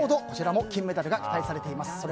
こちらも金メダルが期待されています。